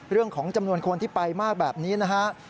เรื่องของจำนวนคนที่ไปมากแบบนี้นะฮะ